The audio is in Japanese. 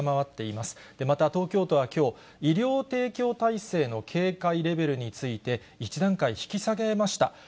また東京都はきょう、医療提供体制の警戒レベルについて、１段階引き下げました。